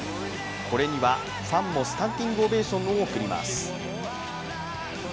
これにはファンもスタンディングオベーションを贈ります。